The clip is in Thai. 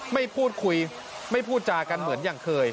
ไม่พูดคุยไม่พูดจากันเหมือนอย่างเคย